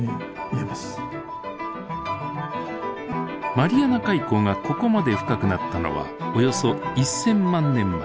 マリアナ海溝がここまで深くなったのはおよそ１，０００万年前。